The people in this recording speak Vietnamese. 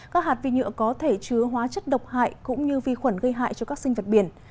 các hạt vi nhựa có thể chứa hóa chất độc hại cũng như vi khuẩn gây hại cho các sinh vật biển